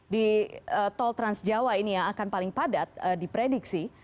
di tol trans jawa ini yang akan paling padat diprediksi